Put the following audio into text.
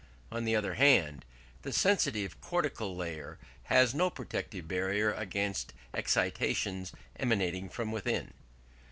[On the other hand] the sensitive cortical layer has no protective barrier against excitations emanating from within....